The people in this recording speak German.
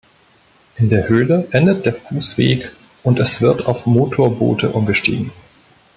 In der Höhle endet der Fußweg und es wird auf Motorboote umgestiegen.